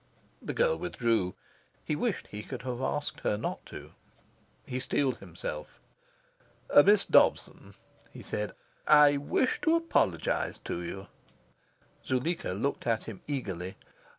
The girl withdrew. He wished he could have asked her not to. He steeled himself. "Miss Dobson," he said, "I wish to apologise to you." Zuleika looked at him eagerly.